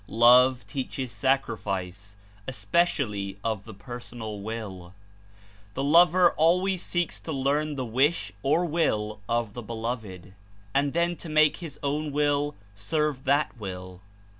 Love teaches sacrifice, especially of the personal will. The lover always seeks to learn the wish or will of the beloved, and then to make his own will serve that will.